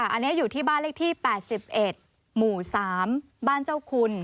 อันนี้อยู่ที่บ้านเลขที่๘๑หมู่๓บ้านเจ้าคุณ